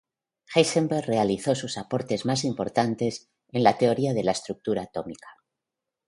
Heisenberg realizó sus aportes más importantes en la teoría de la estructura atómica.